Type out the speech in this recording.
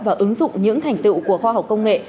và ứng dụng những thành tựu của khoa học công nghệ